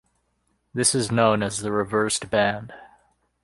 This is known as the reserved band.